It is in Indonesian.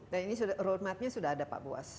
dan ini roadmapnya sudah ada pak buas